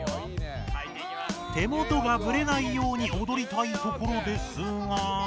手もとがブレないようにおどりたいところですが。